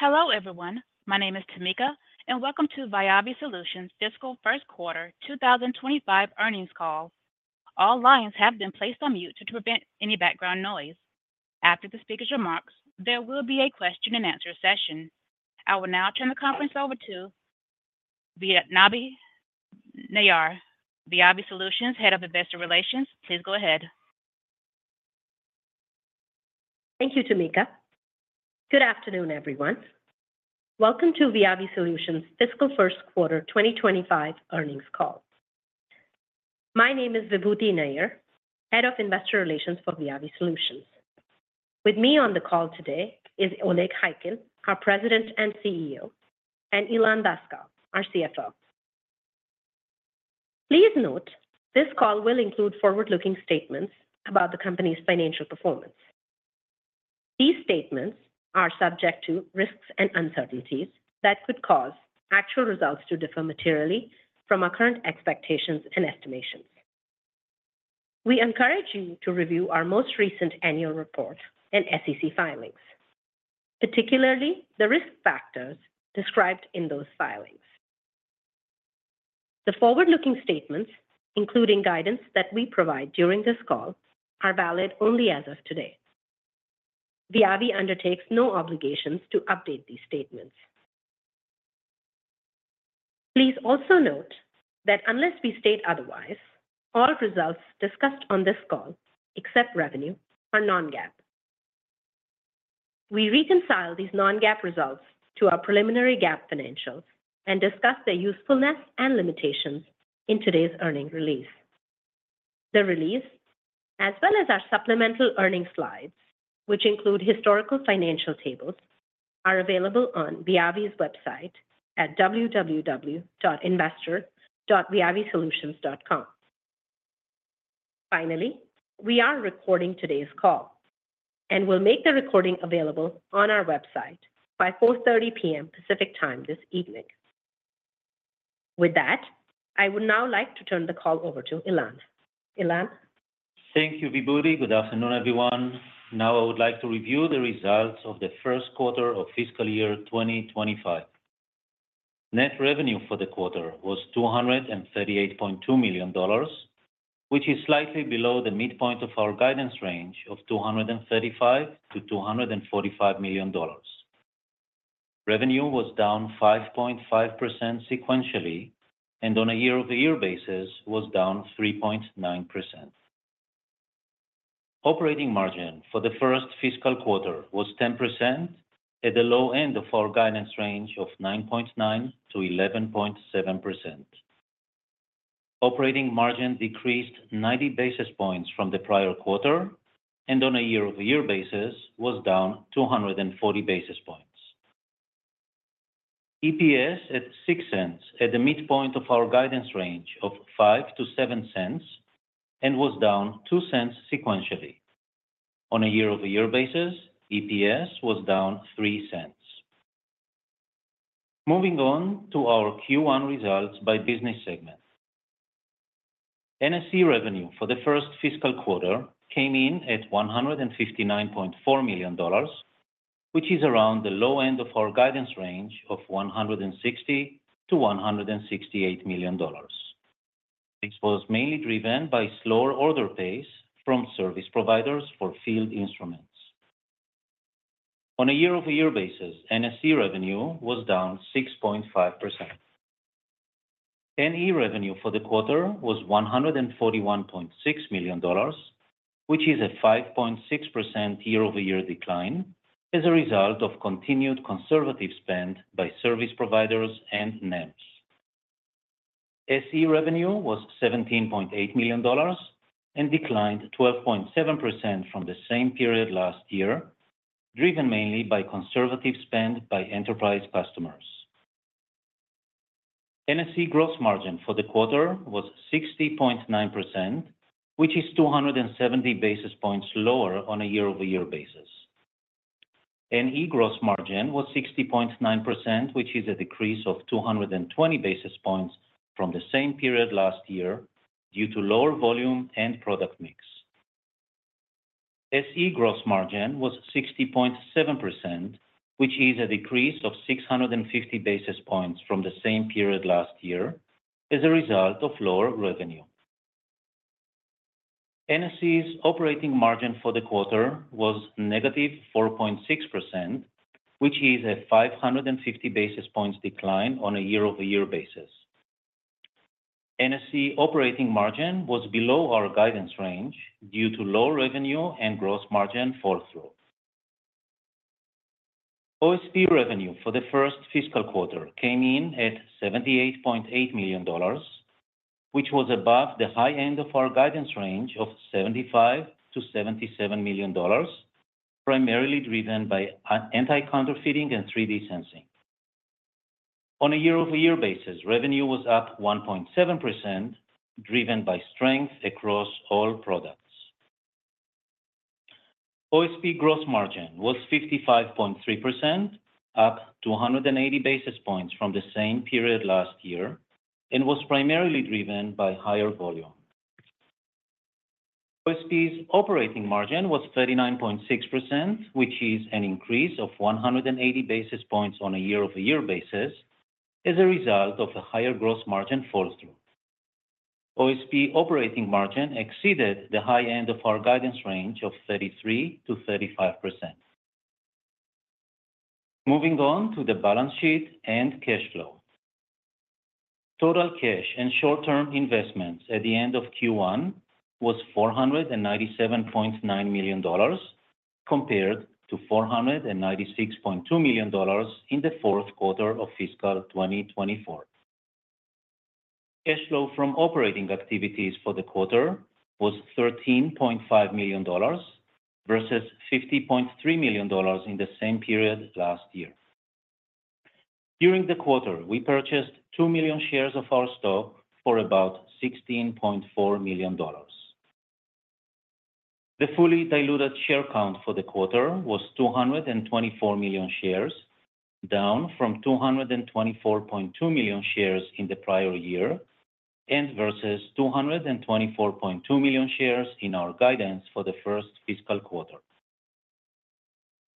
Hello everyone, my name is Tamika, and welcome to Viavi Solutions Fiscal First Quarter 2025 earnings call. All lines have been placed on mute to prevent any background noise. After the speaker's remarks, there will be a question and answer session. I will now turn the conference over to Vibhuti Nayar, Viavi Solutions Head of Investor Relations. Please go ahead. Thank you, Tamika. Good afternoon, everyone. Welcome to Viavi Solutions Fiscal First Quarter 2025 earnings call. My name is Vibhuti Nayar, Head of Investor Relations for Viavi Solutions. With me on the call today is Oleg Khaykin, our President and CEO, and Ilan Daskal, our CFO. Please note this call will include forward-looking statements about the company's financial performance. These statements are subject to risks and uncertainties that could cause actual results to differ materially from our current expectations and estimations. We encourage you to review our most recent annual report and SEC filings, particularly the risk factors described in those filings. The forward-looking statements, including guidance that we provide during this call, are valid only as of today. Viavi undertakes no obligations to update these statements. Please also note that unless we state otherwise, all results discussed on this call, except revenue, are non-GAAP. We reconcile these non-GAAP results to our preliminary GAAP financials and discuss their usefulness and limitations in today's earnings release. The release, as well as our supplemental earnings slides, which include historical financial tables, are available on Viavi's website at www.investor.viavisolutions.com. Finally, we are recording today's call and will make the recording available on our website by 4:30 P.M. Pacific Time this evening. With that, I would now like to turn the call over to Ilan. Ilan. Thank you, Vibhuti. Good afternoon, everyone. Now, I would like to review the results of the first quarter of fiscal year 2025. Net revenue for the quarter was $238.2 million, which is slightly below the midpoint of our guidance range of $235 million-$245 million. Revenue was down 5.5% sequentially and, on a year-over-year basis, was down 3.9%. Operating margin for the first fiscal quarter was 10%, at the low end of our guidance range of 9.9%-11.7%. Operating margin decreased 90 basis points from the prior quarter and, on a year-over-year basis, was down 240 basis points. EPS at $0.06, at the midpoint of our guidance range of $0.05-$0.07, and was down $0.02 sequentially. On a year-over-year basis, EPS was down $0.03. Moving on to our Q1 results by business segment. NSE revenue for the first fiscal quarter came in at $159.4 million, which is around the low end of our guidance range of $160 million-$168 million. This was mainly driven by slower order pace from service providers for field instruments. On a year-over-year basis, NSE revenue was down 6.5%. NE revenue for the quarter was $141.6 million, which is a 5.6% year-over-year decline as a result of continued conservative spend by service providers and NEMs. SE revenue was $17.8 million and declined 12.7% from the same period last year, driven mainly by conservative spend by enterprise customers. NSE gross margin for the quarter was 60.9%, which is 270 basis points lower on a year-over-year basis. NE gross margin was 60.9%, which is a decrease of 220 basis points from the same period last year due to lower volume and product mix. SE gross margin was 60.7%, which is a decrease of 650 basis points from the same period last year as a result of lower revenue. NSE's operating margin for the quarter was negative 4.6%, which is a 550 basis points decline on a year-over-year basis. NSE operating margin was below our guidance range due to low revenue and gross margin fall-through. OSP revenue for the first fiscal quarter came in at $78.8 million, which was above the high end of our guidance range of $75 million-$77 million, primarily driven by anti-counterfeiting and 3D sensing. On a year-over-year basis, revenue was up 1.7%, driven by strength across all products. OSP gross margin was 55.3%, up 280 basis points from the same period last year, and was primarily driven by higher volume. OSP's operating margin was 39.6%, which is an increase of 180 basis points on a year-over-year basis as a result of a higher gross margin fall-through. OSP operating margin exceeded the high end of our guidance range of 33%-35%. Moving on to the balance sheet and cash flow. Total cash and short-term investments at the end of Q1 was $497.9 million compared to $496.2 million in the fourth quarter of fiscal 2024. Cash flow from operating activities for the quarter was $13.5 million versus $50.3 million in the same period last year. During the quarter, we purchased 2 million shares of our stock for about $16.4 million. The fully diluted share count for the quarter was 224 million shares, down from 224.2 million shares in the prior year versus 224.2 million shares in our guidance for the first fiscal quarter.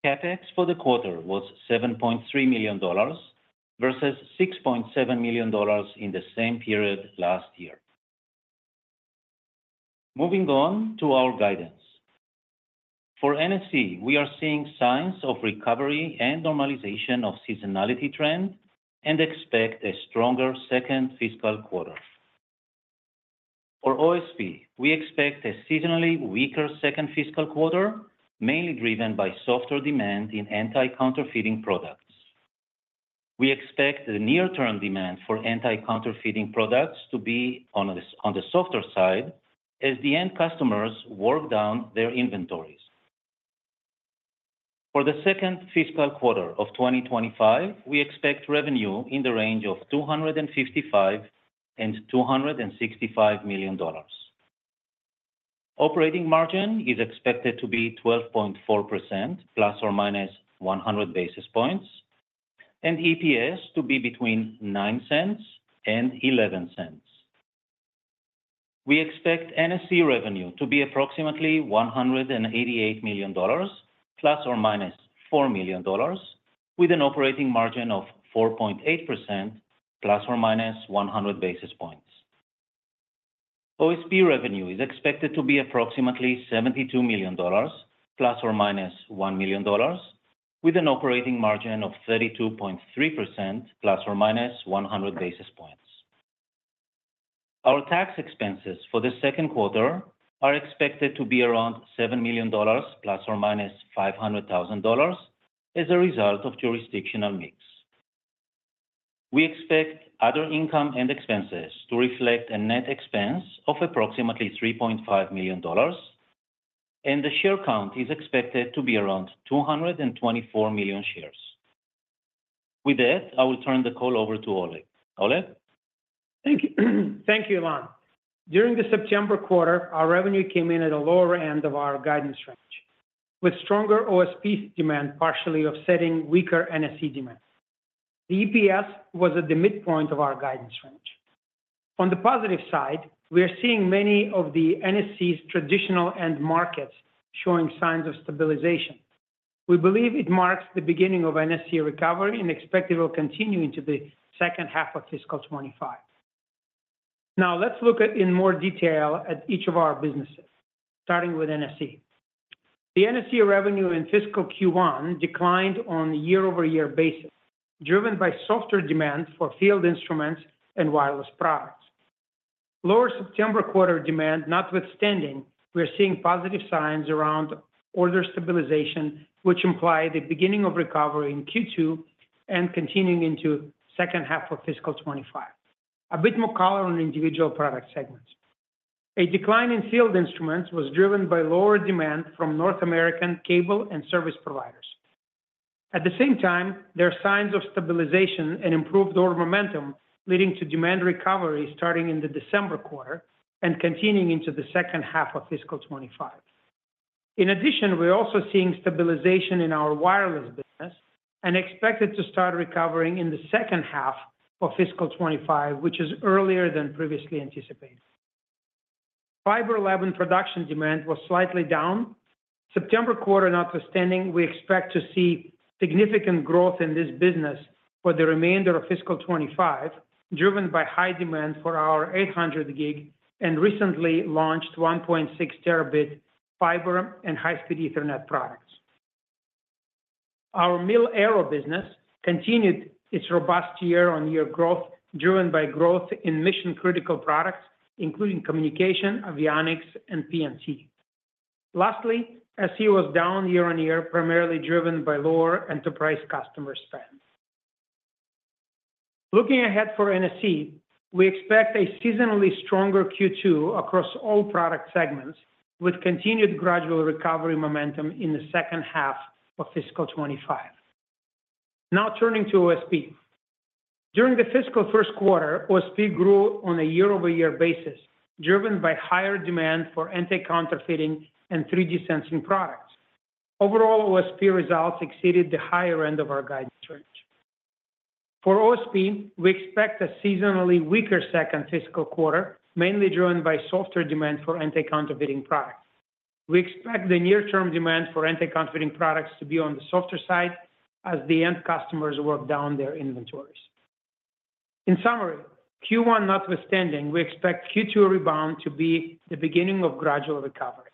CapEx for the quarter was $7.3 million versus $6.7 million in the same period last year. Moving on to our guidance. For NSE, we are seeing signs of recovery and normalization of seasonality trend and expect a stronger second fiscal quarter. For OSP, we expect a seasonally weaker second fiscal quarter, mainly driven by softer demand in anti-counterfeiting products. We expect the near-term demand for anti-counterfeiting products to be on the softer side as the end customers work down their inventories. For the second fiscal quarter of 2025, we expect revenue in the range of $255 million-$265 million. Operating margin is expected to be 12.4% ± 100 basis points, and EPS to be between $0.09 and $0.11. We expect NSE revenue to be approximately $188 million ± $4 million, with an operating margin of 4.8% ± 100 basis points. OSP revenue is expected to be approximately $72 million ± $1 million, with an operating margin of 32.3% ± 100 basis points. Our tax expenses for the second quarter are expected to be around $7 million ± $500,000 as a result of jurisdictional mix. We expect other income and expenses to reflect a net expense of approximately $3.5 million, and the share count is expected to be around 224 million shares. With that, I will turn the call over to Oleg. Oleg. Thank you. Thank you, Ilan. During the September quarter, our revenue came in at a lower end of our guidance range, with stronger OSP demand partially offsetting weaker NSE demand. The EPS was at the midpoint of our guidance range. On the positive side, we are seeing many of the NSE's traditional end markets showing signs of stabilization. We believe it marks the beginning of NSE recovery and expected will continue into the second half of fiscal 2025. Now, let's look in more detail at each of our businesses, starting with NSE. The NSE revenue in fiscal Q1 declined on a year-over-year basis, driven by softer demand for field instruments and wireless products. Lower September quarter demand notwithstanding, we are seeing positive signs around order stabilization, which imply the beginning of recovery in Q2 and continuing into the second half of fiscal 2025. A bit more color on individual product segments. A decline in field instruments was driven by lower demand from North American cable and service providers. At the same time, there are signs of stabilization and improved order momentum leading to demand recovery starting in the December quarter and continuing into the second half of fiscal 2025. In addition, we are also seeing stabilization in our wireless business and expected to start recovering in the second half of fiscal 2025, which is earlier than previously anticipated. Fiber Lab and production demand was slightly down. September quarter notwithstanding, we expect to see significant growth in this business for the remainder of fiscal 2025, driven by high demand for our 800 Gb and recently launched 1.6 Tb fiber and high-speed Ethernet products. Our Mil-Aero business continued its robust year-on-year growth, driven by growth in mission-critical products, including communication, avionics, and PNT. Lastly, SE was down year-on-year, primarily driven by lower enterprise customer spend. Looking ahead for NSE, we expect a seasonally stronger Q2 across all product segments, with continued gradual recovery momentum in the second half of fiscal 2025. Now, turning to OSP. During the fiscal first quarter, OSP grew on a year-over-year basis, driven by higher demand for anti-counterfeiting and 3D sensing products. Overall, OSP results exceeded the higher end of our guidance range. For OSP, we expect a seasonally weaker second fiscal quarter, mainly driven by softer demand for anti-counterfeiting products. We expect the near-term demand for anti-counterfeiting products to be on the softer side as the end customers work down their inventories. In summary, Q1 notwithstanding, we expect Q2 rebound to be the beginning of gradual recovery.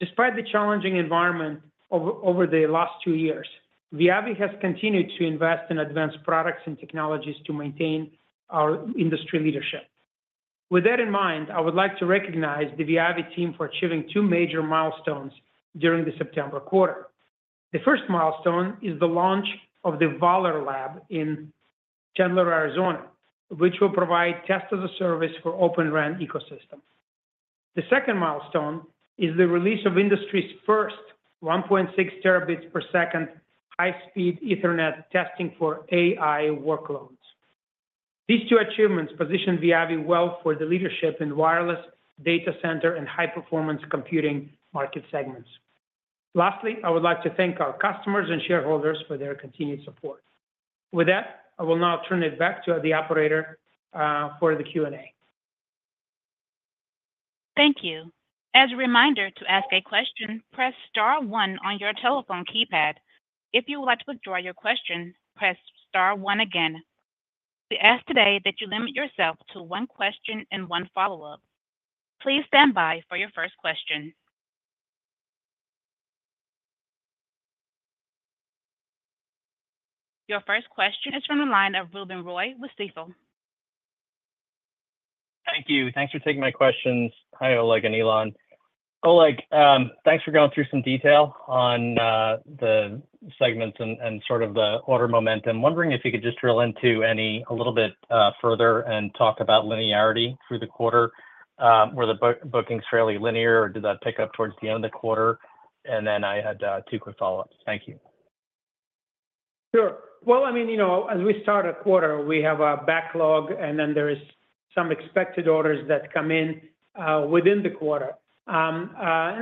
Despite the challenging environment over the last two years, Viavi has continued to invest in advanced products and technologies to maintain our industry leadership. With that in mind, I would like to recognize the Viavi team for achieving two major milestones during the September quarter. The first milestone is the launch of the VALOR Lab in Chandler, Arizona, which will provide test-as-a-service for Open RAN ecosystem. The second milestone is the release of industry's first 1.6 Tb per second high-speed Ethernet testing for AI workloads. These two achievements position Viavi well for the leadership in wireless data center and high-performance computing market segments. Lastly, I would like to thank our customers and shareholders for their continued support. With that, I will now turn it back to the operator for the Q&A. Thank you. As a reminder to ask a question, press star one on your telephone keypad. If you would like to withdraw your question, press star one again. We ask today that you limit yourself to one question and one follow-up. Please stand by for your first question. Your first question is from the line of Ruben Roy with Stifel. Thank you. Thanks for taking my questions. Hi, Oleg and Ilan. Oleg, thanks for going through some detail on the segments and sort of the order momentum. Wondering if you could just drill into any a little bit further and talk about linearity through the quarter. Were the bookings fairly linear, or did that pick up towards the end of the quarter? And then I had two quick follow-ups. Thank you. Sure. Well, I mean, you know, as we start a quarter, we have a backlog, and then there are some expected orders that come in within the quarter. And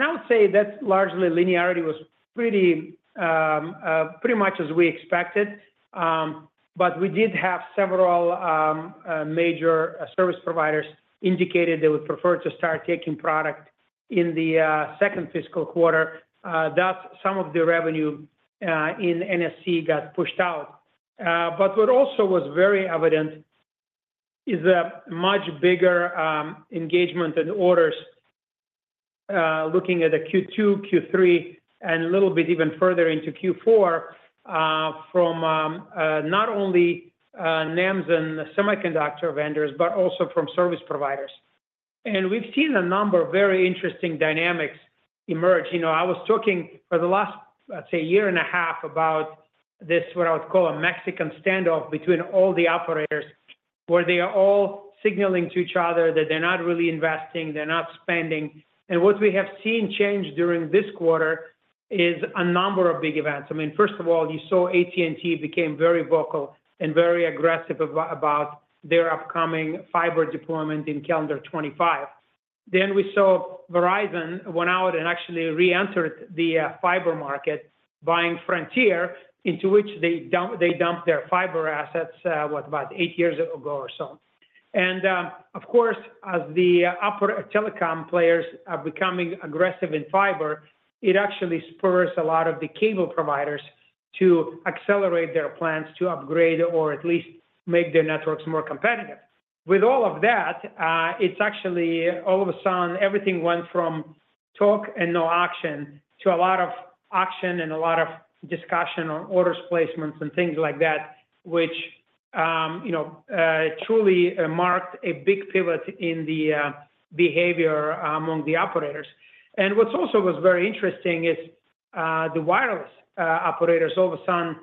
I would say that largely linearity was pretty much as we expected. But we did have several major service providers indicate they would prefer to start taking product in the second fiscal quarter. Thus, some of the revenue in NSE got pushed out. But what also was very evident is a much bigger engagement and orders looking at Q2, Q3, and a little bit even further into Q4 from not only NEMs and semiconductor vendors, but also from service providers. And we've seen a number of very interesting dynamics emerge. You know, I was talking for the last, let's say, year and a half about this, what I would call a Mexican standoff between all the operators, where they are all signaling to each other that they're not really investing, they're not spending, and what we have seen change during this quarter is a number of big events. I mean, first of all, you saw AT&T became very vocal and very aggressive about their upcoming fiber deployment in calendar 2025, then we saw Verizon went out and actually re-entered the fiber market, buying Frontier, into which they dumped their fiber assets, what, about eight years ago or so, and of course, as the upper telecom players are becoming aggressive in fiber, it actually spurs a lot of the cable providers to accelerate their plans to upgrade or at least make their networks more competitive. With all of that, it's actually all of a sudden, everything went from talk and no action to a lot of action and a lot of discussion on orders placements and things like that, which, you know, truly marked a big pivot in the behavior among the operators. And what's also very interesting is the wireless operators all of a sudden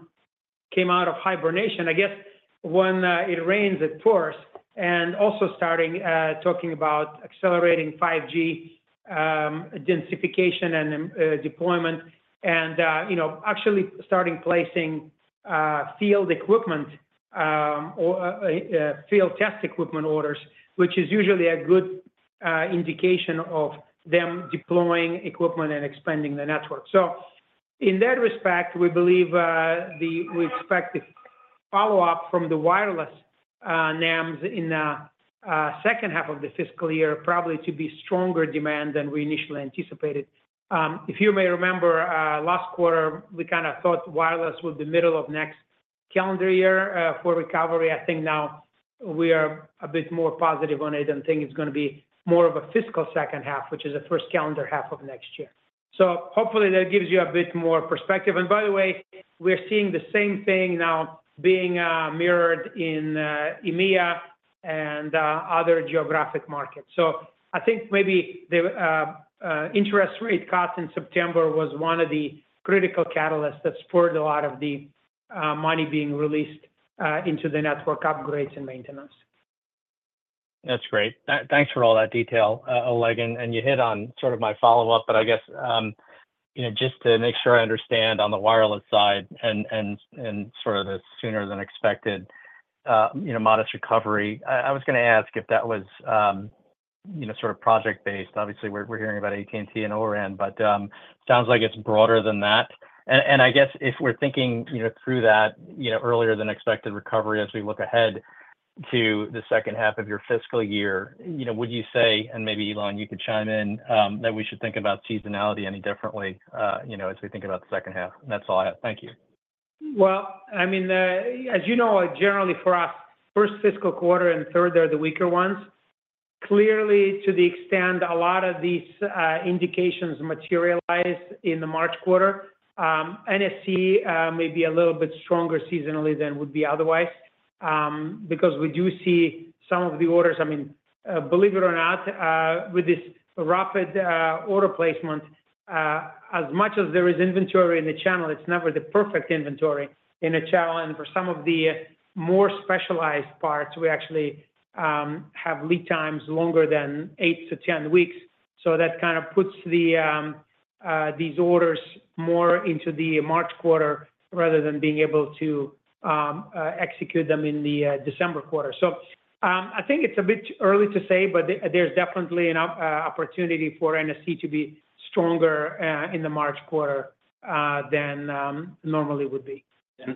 came out of hibernation, I guess, when it rains, it pours, and also starting talking about accelerating 5G densification and deployment, and, you know, actually starting placing field equipment, field test equipment orders, which is usually a good indication of them deploying equipment and expanding the network. So in that respect, we believe we expect the follow-up from the wireless NEMs in the second half of the fiscal year probably to be stronger demand than we initially anticipated. If you may remember, last quarter, we kind of thought wireless would be middle of next calendar year for recovery. I think now we are a bit more positive on it and think it's going to be more of a fiscal second half, which is the first calendar half of next year. So hopefully that gives you a bit more perspective. And by the way, we are seeing the same thing now being mirrored in EMEA and other geographic markets. So I think maybe the interest rate cut in September was one of the critical catalysts that spurred a lot of the money being released into the network upgrades and maintenance. That's great. Thanks for all that detail, Oleg. And you hit on sort of my follow-up, but I guess, you know, just to make sure I understand on the wireless side and sort of the sooner than expected, you know, modest recovery. I was going to ask if that was, you know, sort of project-based. Obviously, we're hearing about AT&T and O-RAN, but it sounds like it's broader than that. And I guess if we're thinking, you know, through that, you know, earlier than expected recovery as we look ahead to the second half of your fiscal year, you know, would you say, and maybe Ilan, you could chime in, that we should think about seasonality any differently, you know, as we think about the second half? And that's all I have. Thank you. I mean, as you know, generally for us, first fiscal quarter and third are the weaker ones. Clearly, to the extent a lot of these indications materialized in the March quarter, NSE may be a little bit stronger seasonally than would be otherwise because we do see some of the orders. I mean, believe it or not, with this rapid order placement, as much as there is inventory in the channel, it's never the perfect inventory in a channel. And for some of the more specialized parts, we actually have lead times longer than eight to 10 weeks. So that kind of puts these orders more into the March quarter rather than being able to execute them in the December quarter. So I think it's a bit early to say, but there's definitely an opportunity for NSE to be stronger in the March quarter than normally would be.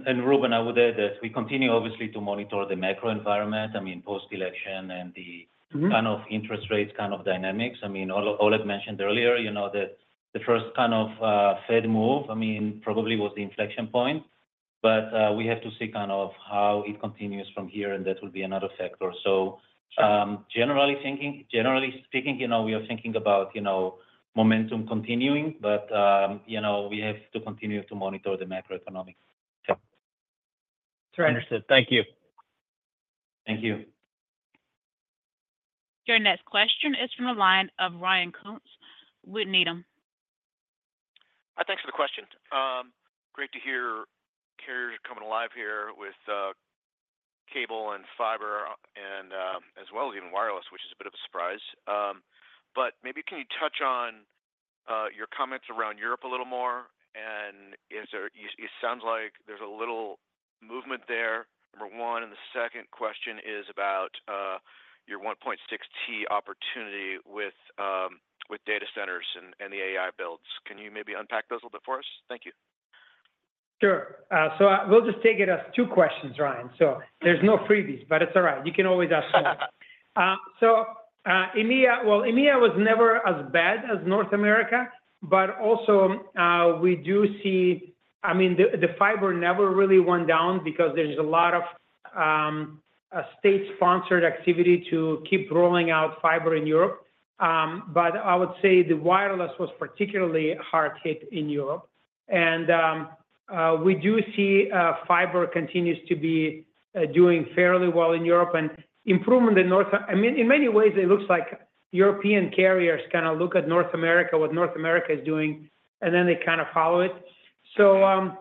Ruben, I would add that we continue, obviously, to monitor the macro environment, I mean, post-election and the kind of interest rates kind of dynamics. I mean, Oleg mentioned earlier, you know, that the first kind of Fed move, I mean, probably was the inflection point, but we have to see kind of how it continues from here, and that will be another factor, so generally speaking, you know, we are thinking about, you know, momentum continuing, but, you know, we have to continue to monitor the macroeconomics. That's right. Understood. Thank you. Thank you. Your next question is from the line of Ryan Coontz with Needham. Hi, thanks for the question. Great to hear carriers are coming alive here with cable and fiber and as well as even wireless, which is a bit of a surprise. But maybe can you touch on your comments around Europe a little more? And it sounds like there's a little movement there. Number one, and the second question is about your 1.6 Tb opportunity with data centers and the AI builds. Can you maybe unpack those a little bit for us? Thank you. Sure. So we'll just take it as two questions, Ryan. So there's no freebies, but it's all right. You can always ask more. So EMEA, well, EMEA was never as bad as North America, but also we do see, I mean, the fiber never really went down because there's a lot of state-sponsored activity to keep rolling out fiber in Europe. But I would say the wireless was particularly hard hit in Europe. And we do see fiber continues to be doing fairly well in Europe and improvement in North. I mean, in many ways, it looks like European carriers kind of look at North America, what North America is doing, and then they kind of follow it. So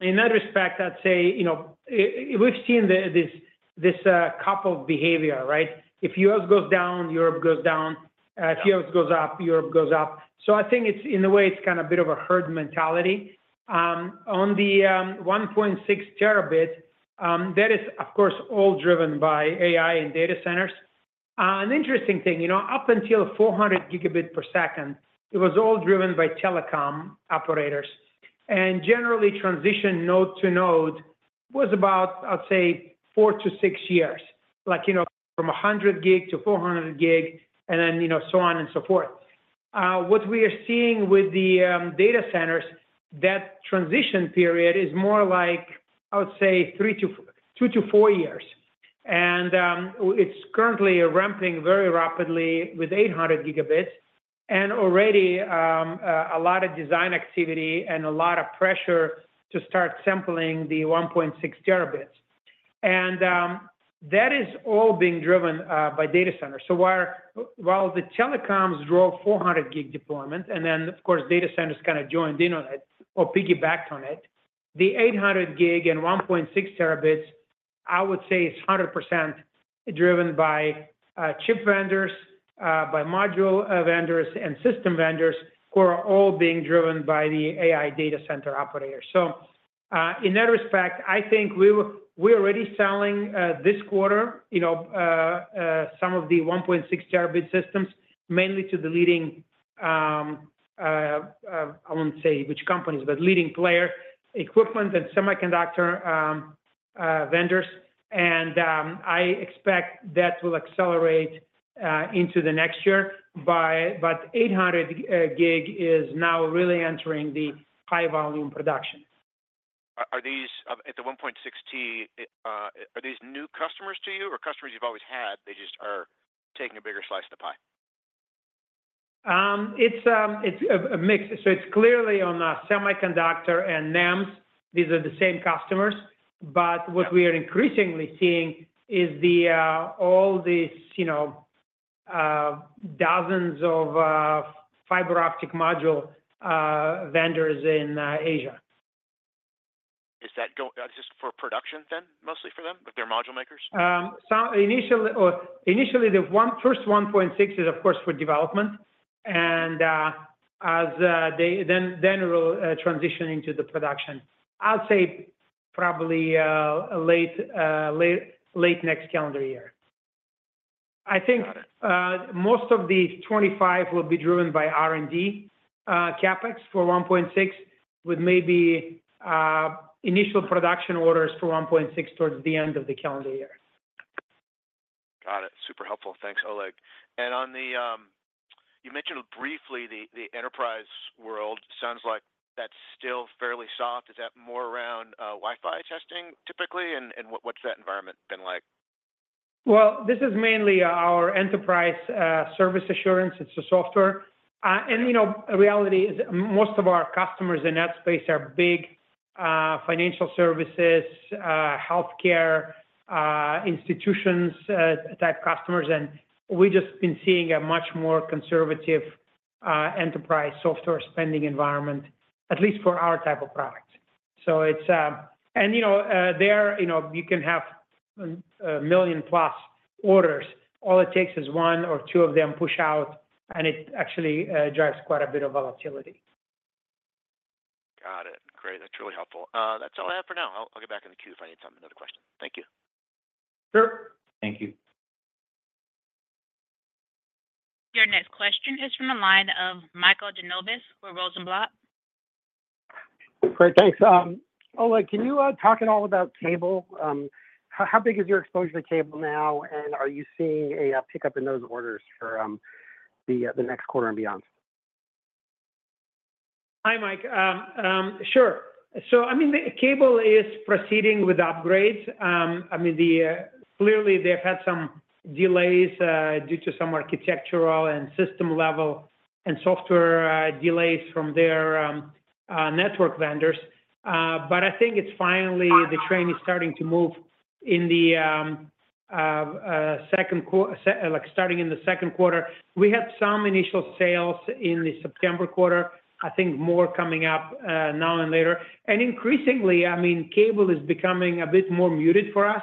in that respect, I'd say, you know, we've seen this copycat behavior, right? If U.S. goes down, Europe goes down. If U.S. goes up, Europe goes up. I think it's, in a way, it's kind of a bit of a herd mentality. On the 1.6 Tb, that is, of course, all driven by AI and data centers. An interesting thing, you know, up until 400 Gb per second, it was all driven by telecom operators. And generally, transition node to node was about, I'd say, four to six years, like, you know, from 100 Gb-400 Gb and then, you know, so on and so forth. What we are seeing with the data centers, that transition period is more like, I would say, three to four years. And it's currently ramping very rapidly with 800 Gb and already a lot of design activity and a lot of pressure to start sampling the 1.6 Tb. And that is all being driven by data centers. So while the telecoms drove 400 Gb deployment and then, of course, data centers kind of joined in on it or piggybacked on it, the 800 Gb and 1.6 Tb, I would say, is 100% driven by chip vendors, by module vendors, and system vendors who are all being driven by the AI data center operators. So in that respect, I think we're already selling this quarter, you know, some of the 1.6 Tb systems mainly to the leading, I won't say which companies, but leading player equipment and semiconductor vendors. And I expect that will accelerate into the next year. But 800 Gb is now really entering the high-volume production. Are these at the 1.6 Tb, are these new customers to you or customers you've always had? They just are taking a bigger slice of the pie? It's a mix. So it's clearly on semiconductor and NEMs. These are the same customers. But what we are increasingly seeing is all these, you know, dozens of fiber optic module vendors in Asia. Is that just for production then, mostly for them, their module makers? Initially, the first 1.6 Tb is, of course, for development, and then we'll transition into the production. I'll say probably late next calendar year. I think most of these 25 will be driven by R&D CapEx for 1.6 Tb with maybe initial production orders for 1.6 Tb towards the end of the calendar year. Got it. Super helpful. Thanks, Oleg. And on the, you mentioned briefly the enterprise world. Sounds like that's still fairly soft. Is that more around Wi-Fi testing typically? And what's that environment been like? This is mainly our enterprise service assurance. It's a software. You know, in reality, most of our customers in that space are big financial services, healthcare institutions-type customers. We've just been seeing a much more conservative enterprise software spending environment, at least for our type of product. So it's, you know, you can have a million plus orders. All it takes is one or two of them push out, and it actually drives quite a bit of volatility. Got it. Great. That's really helpful. That's all I have for now. I'll get back in the queue if I need something or another question. Thank you. Sure. Thank you. Your next question is from the line of Michael Genovese for Rosenblatt. Great. Thanks. Oleg, can you talk at all about cable? How big is your exposure to cable now? And are you seeing a pickup in those orders for the next quarter and beyond? Hi, Mike. Sure. So, I mean, cable is proceeding with upgrades. I mean, clearly, they've had some delays due to some architectural and system level and software delays from their network vendors. But I think it's finally the train is starting to move in the second, like starting in the second quarter. We had some initial sales in the September quarter, I think more coming up now and later. And increasingly, I mean, cable is becoming a bit more muted for us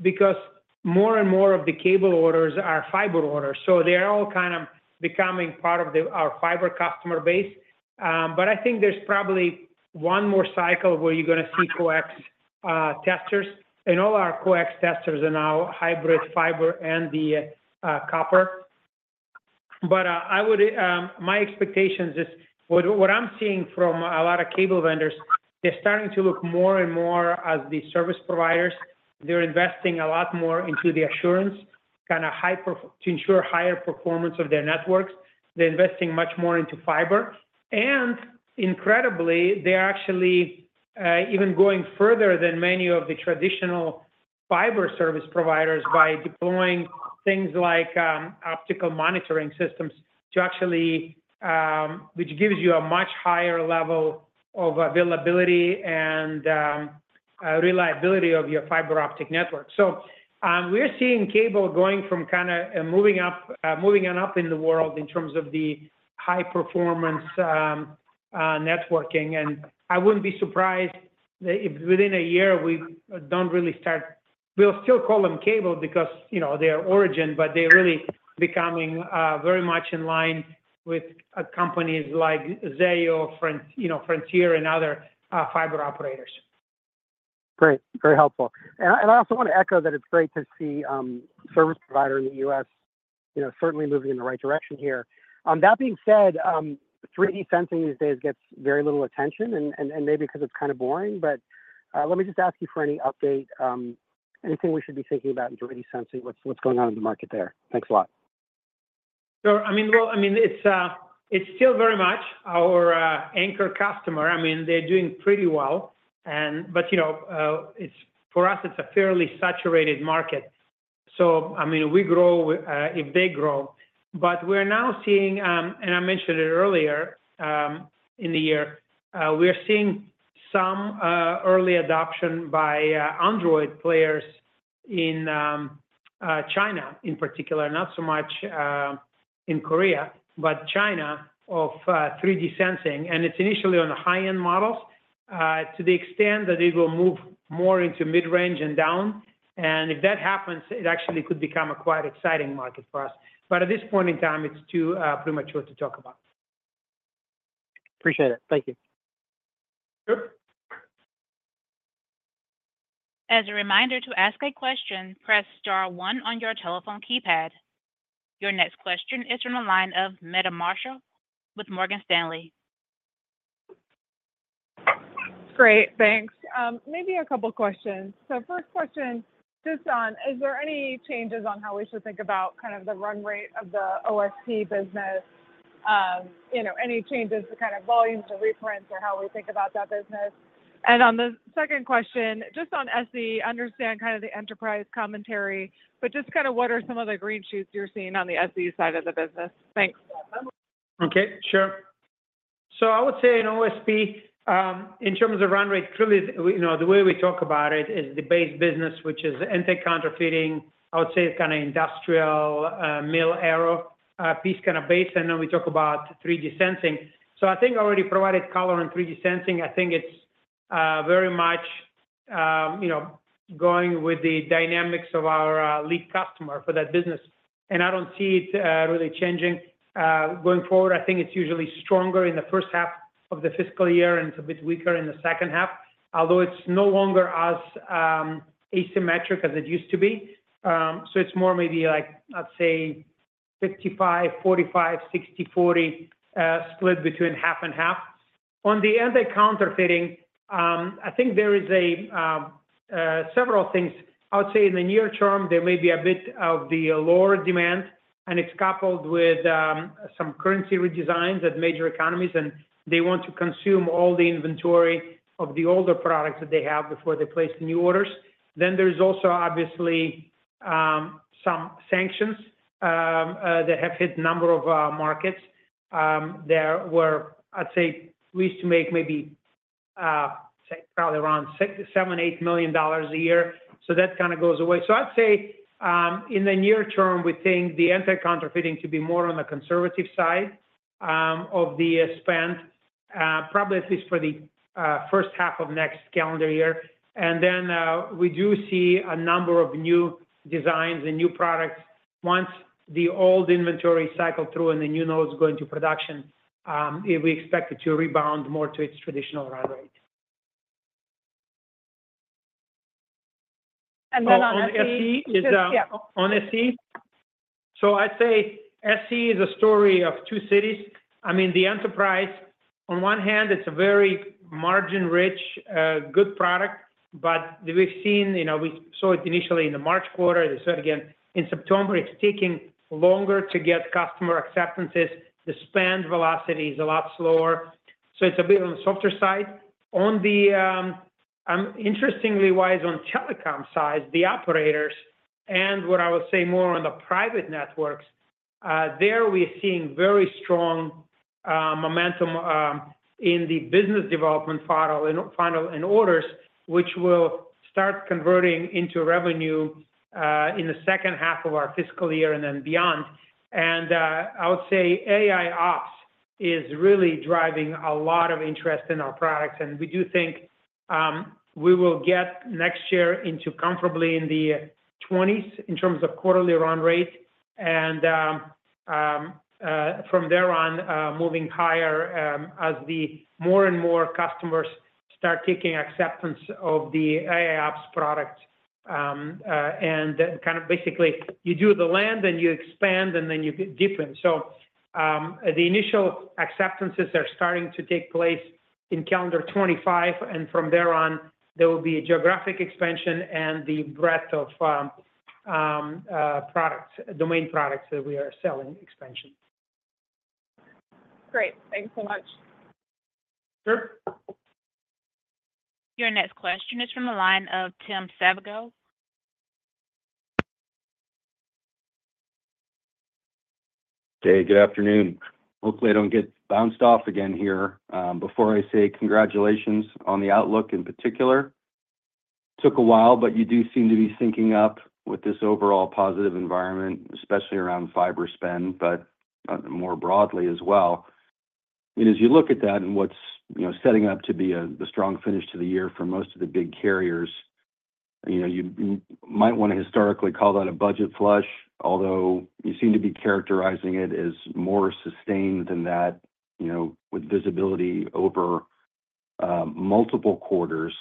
because more and more of the cable orders are fiber orders. So they're all kind of becoming part of our fiber customer base. But I think there's probably one more cycle where you're going to see coax testers. And all our coax testers are now hybrid fiber and the copper. But my expectation is what I'm seeing from a lot of cable vendors. They're starting to look more and more as the service providers. They're investing a lot more into the assurance kind of to ensure higher performance of their networks. They're investing much more into fiber. And incredibly, they're actually even going further than many of the traditional fiber service providers by deploying things like optical monitoring systems to actually, which gives you a much higher level of availability and reliability of your fiber optic network. So we're seeing cable going from kind of moving on up in the world in terms of the high-performance networking. And I wouldn't be surprised if within a year we don't really start. We'll still call them cable because, you know, their origin, but they're really becoming very much in line with companies like Zayo, Frontier, and other fiber operators. Great. Very helpful. And I also want to echo that it's great to see service providers in the U.S., you know, certainly moving in the right direction here. That being said, 3D sensing these days gets very little attention and maybe because it's kind of boring. But let me just ask you for any update, anything we should be thinking about in 3D sensing, what's going on in the market there? Thanks a lot. I mean, it's still very much our anchor customer. I mean, they're doing pretty well. But you know, for us, it's a fairly saturated market. So I mean, we grow if they grow. But we're now seeing, and I mentioned it earlier in the year, we're seeing some early adoption by Android players in China in particular, not so much in Korea, but China of 3D sensing. And it's initially on the high-end models to the extent that it will move more into mid-range and down. And if that happens, it actually could become a quite exciting market for us. But at this point in time, it's too premature to talk about. Appreciate it. Thank you. Sure. As a reminder to ask a question, press star one on your telephone keypad. Your next question is from the line of Meta Marshall with Morgan Stanley. Great. Thanks. Maybe a couple of questions. So first question, just on, is there any changes on how we should think about kind of the run rate of the OSP business? You know, any changes to kind of volumes or reprints or how we think about that business? And on the second question, just on SE, understand kind of the enterprise commentary, but just kind of what are some of the green shoots you're seeing on the SE side of the business? Thanks. Okay. Sure. So I would say in OSP, in terms of run rate, clearly, you know, the way we talk about it is the base business, which is anti-counterfeiting. I would say kind of industrial, Mil-Aero piece kind of base. And then we talk about 3D sensing. So I think I already provided color on 3D sensing. I think it's very much, you know, going with the dynamics of our lead customer for that business. And I don't see it really changing going forward. I think it's usually stronger in the first half of the fiscal year and it's a bit weaker in the second half, although it's no longer as asymmetric as it used to be. So it's more maybe like, I'd say, 55, 45, 60, 40 split between half and half. On the anti-counterfeiting, I think there is several things. I would say in the near term, there may be a bit of the lower demand, and it's coupled with some currency redesigns at major economies, and they want to consume all the inventory of the older products that they have before they place the new orders. Then there's also obviously some sanctions that have hit a number of markets that were, I'd say, we used to make maybe, say, probably around $7 million-$8 million a year. So that kind of goes away. So I'd say in the near term, we think the anti-counterfeiting to be more on the conservative side of the spend, probably at least for the first half of next calendar year. And then we do see a number of new designs and new products. Once the old inventory cycle through and the new node is going to production, we expect it to rebound more to its traditional run rate. And then on SE? On SE? So I'd say SE is a story of two cities. I mean, the enterprise, on one hand, it's a very margin-rich, good product, but we've seen, you know, we saw it initially in the March quarter. They said again in September, it's taking longer to get customer acceptances. The spend velocity is a lot slower. So it's a bit on the softer side. On the interesting side, on telecom side, the operators and what I would say more on the private networks, there we are seeing very strong momentum in the business development funnel and orders, which will start converting into revenue in the second half of our fiscal year and then beyond. And I would say AIOps is really driving a lot of interest in our products. And we do think we will get next year into comfortably in the 20s in terms of quarterly run rate. And from there on, moving higher as the more and more customers start taking acceptance of the AIOps products. And kind of basically you do the land and you expand and then you dip in. So the initial acceptances are starting to take place in calendar 2025. And from there on, there will be a geographic expansion and the breadth of products, domain products that we are selling expansion. Great. Thanks so much. Sure. Your next question is from the line of Tim Savageaux. Hey, good afternoon. Hopefully I don't get bounced off again here. Before I say congratulations on the outlook in particular, it took a while, but you do seem to be syncing up with this overall positive environment, especially around fiber spend, but more broadly as well. And as you look at that and what's, you know, setting up to be the strong finish to the year for most of the big carriers, you know, you might want to historically call that a budget flush, although you seem to be characterizing it as more sustained than that, you know, with visibility over multiple quarters.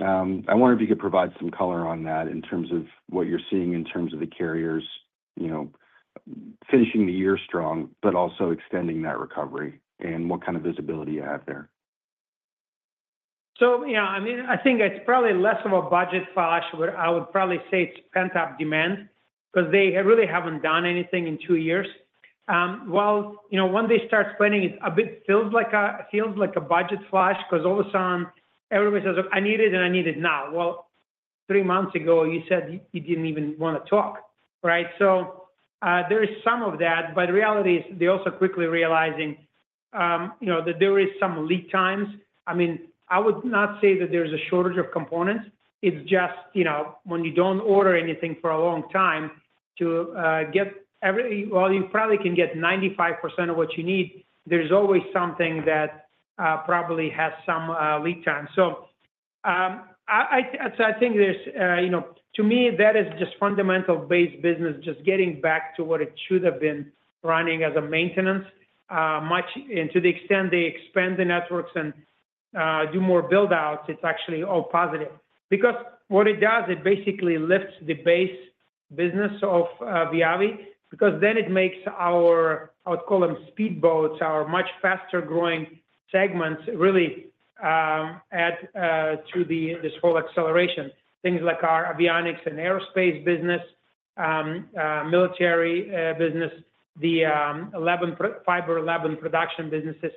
I wonder if you could provide some color on that in terms of what you're seeing in terms of the carriers, you know, finishing the year strong, but also extending that recovery and what kind of visibility you have there. So, you know, I mean, I think it's probably less of a budget flush. I would probably say it's pent-up demand because they really haven't done anything in two years. Well, you know, when they start spending, it feels like a budget flush because all of a sudden everybody says, "Look, I need it and I need it now." Well, three months ago, you said you didn't even want to talk, right? So there is some of that. But the reality is they're also quickly realizing, you know, that there are some lead times. I mean, I would not say that there's a shortage of components. It's just, you know, when you don't order anything for a long time to get every, well, you probably can get 95% of what you need. There's always something that probably has some lead time. So, I think there's, you know, to me, that is just fundamental base business, just getting back to what it should have been running as a maintenance, much to the extent they expand the networks and do more buildouts. It's actually all positive because what it does, it basically lifts the base business of Viavi because then it makes our, I would call them speedboats, our much faster growing segments really add to this whole acceleration. Things like our avionics and aerospace business, military business, the Fiber Lab production businesses,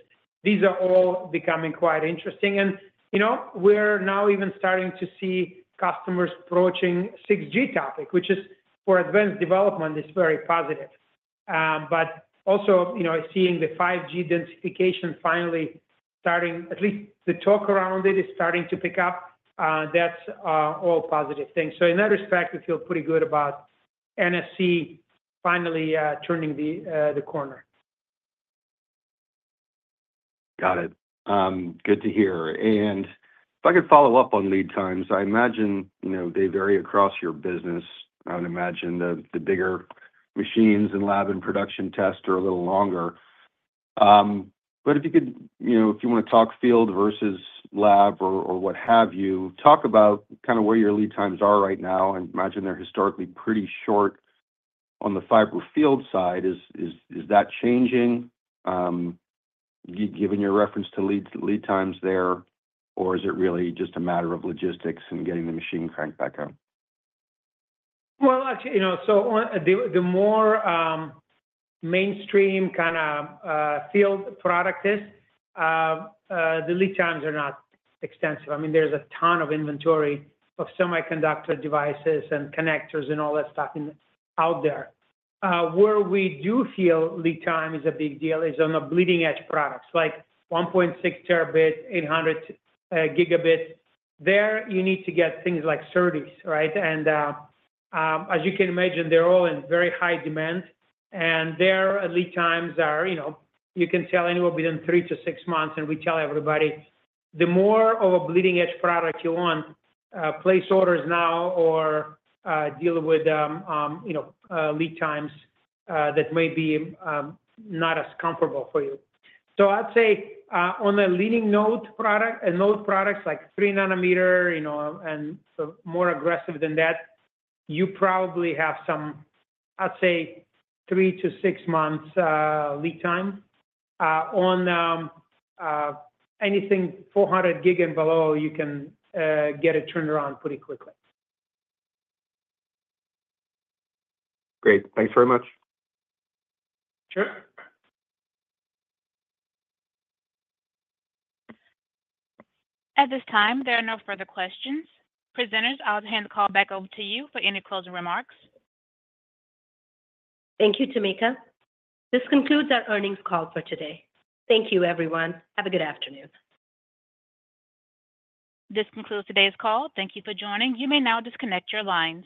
these are all becoming quite interesting. And, you know, we're now even starting to see customers approaching 6G topic, which is for advanced development is very positive. But also, you know, seeing the 5G densification finally starting, at least the talk around it is starting to pick up. That's all positive things. So in that respect, we feel pretty good about NSE finally turning the corner. Got it. Good to hear. And if I could follow up on lead times, I imagine, you know, they vary across your business. I would imagine the bigger machines and lab and production tests are a little longer. But if you could, you know, if you want to talk field versus lab or what have you, talk about kind of where your lead times are right now. I imagine they're historically pretty short on the fiber field side. Is that changing given your reference to lead times there, or is it really just a matter of logistics and getting the machine cranked back out? Well, actually, you know, so the more mainstream kind of field product is, the lead times are not extensive. I mean, there's a ton of inventory of semiconductor devices and connectors and all that stuff out there. Where we do feel lead time is a big deal is on the bleeding edge products like 1.6 Tb, 800 Gb. There you need to get things like SerDes, right? And as you can imagine, they're all in very high demand. And their lead times are, you know, you can tell anyone within three to six months, and we tell everybody the more of a bleeding edge product you want, place orders now or deal with, you know, lead times that may be not as comfortable for you. I'd say on the leading node products, like three nanometer, you know, and more aggressive than that, you probably have some, I'd say, three to six months lead time. On anything 400 Gb and below, you can get it turned around pretty quickly. Great. Thanks very much. Sure. At this time, there are no further questions. Presenters, I'll hand the call back over to you for any closing remarks. Thank you, Tamika. This concludes our earnings call for today. Thank you, everyone. Have a good afternoon. This concludes today's call. Thank you for joining. You may now disconnect your lines.